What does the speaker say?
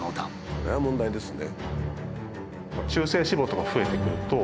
これは問題ですね。